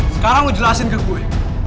sekarang mau jelasin ke gue